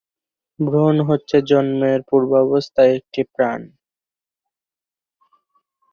ভ্রূণ হচ্ছে জন্মের পূর্বাবস্থায় একটি প্রাণ।